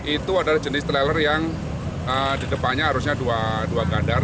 itu adalah jenis trailer yang di depannya harusnya dua kandar